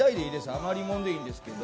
余りものでいいんですけど。